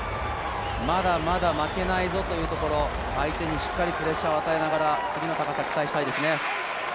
まだまだ負けないぞというところ、相手にしっかりプレッシャーを与えながら次の高さ、期待したいですね。